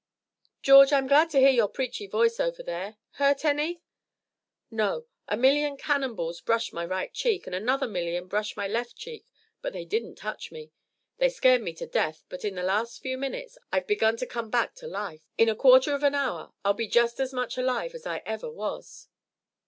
"George, I'm glad to hear your preachy voice over there. Hurt any?" "No. A million cannon balls brushed my right cheek and another million brushed my left cheek, but they didn't touch me. They scared me to death, but in the last few minutes I've begun to come back to life. In a quarter of an hour I'll be just as much alive as I ever was."